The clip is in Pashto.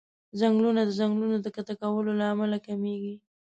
ځنګلونه د ځنګلونو د قطع کولو له امله کميږي.